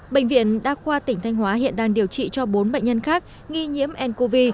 bệnh viện đa khoa tỉnh thanh hóa hiện đang điều trị cho bốn bệnh nhân khác nghi nhiễm ncov